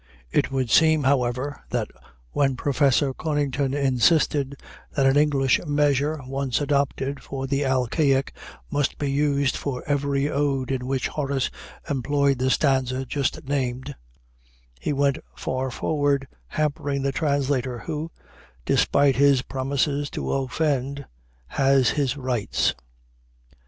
It would seem, however, that when Professor Conington insisted that an English measure once adopted for the Alcaic must be used for every ode in which Horace employed the stanza just named, he went far toward hampering the translator, who, despite his proneness to offend, has his rights.